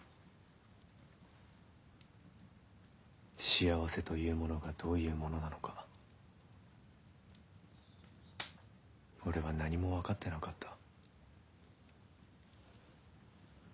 幸せというものがどういうものなのか俺は何も分かってなかった。